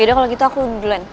yaudah kalau gitu aku ulan